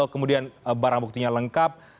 kemudian barang buktinya lengkap